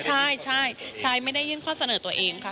ใช่ใช่ไม่ได้ยื่นข้อเสนอตัวเองค่ะ